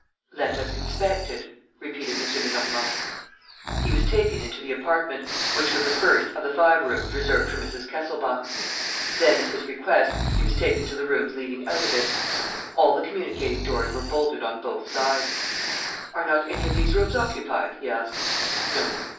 "Let us inspect it," repeated M. Lenormand. He was taken into the apartment, which was the first of the five rooms reserved for Mrs. Kesselbach. Then, at his request, he was taken to the rooms leading out of it. All the communicating doors were bolted on both sides. "Are not any of these rooms occupied?" he asked. "No."